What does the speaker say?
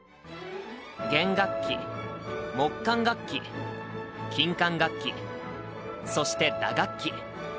弦楽器木管楽器金管楽器そして打楽器。